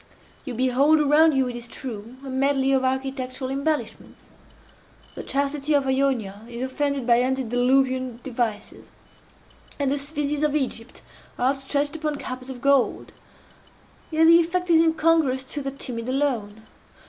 You behold around you, it is true, a medley of architectural embellishments. The chastity of Ionia is offended by antediluvian devices, and the sphynxes of Egypt are outstretched upon carpets of gold. Yet the effect is incongruous to the timid alone.